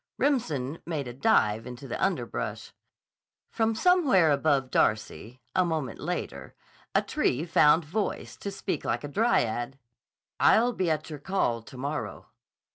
Remsen made a dive into the underbrush. From somewhere above Darcy, a moment later, a tree found voice to speak like a dryad: "I'll be at your call to morrow."